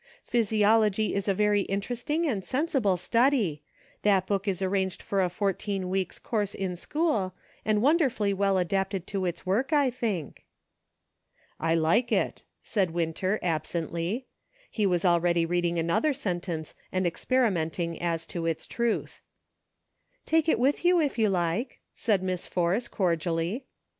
Physiology is a very interesting and sen sible study. That book is arranged for a fourteen weeks' course in school, and wonderfully well adapted to its work, I think." " I like it," said Winter, absently; he was already reading another sentence and experimenting as to its ^ruth. " Take it with you if you like," said Miss Force, cordially.